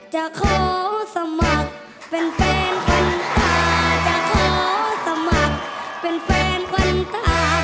จะขอสมัครเป็นแฟนควันตา